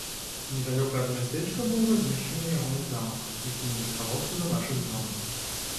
Недалёка ад мястэчка быў размешчаны ягоны замак, які не захаваўся да нашых дзён.